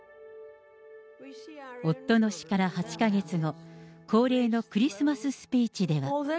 夫の死から８か月後、恒例のクリスマススピーチでは。